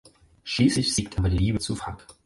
Schließlich siegt aber die Liebe zu Frank.